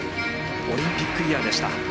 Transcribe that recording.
オリンピックイヤーでした。